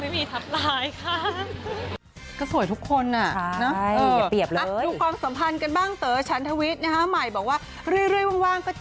ไม่มีทัพไลน์ค่ะ